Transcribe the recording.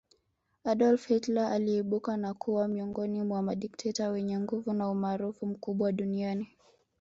Adolf Hitler aliibuka na kuwa miongoni mwa madikteta wenye nguvu na umaarufu mkubwa duniani